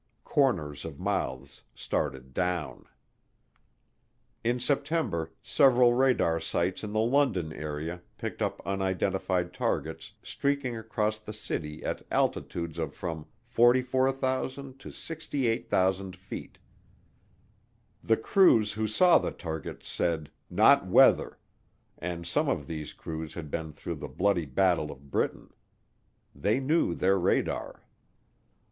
Corners of mouths started down. In September several radar sites in the London area picked up unidentified targets streaking across the city at altitudes of from 44,000 to 68,000 feet. The crews who saw the targets said, "Not weather," and some of these crews had been through the bloody Battle of Britain. They knew their radar.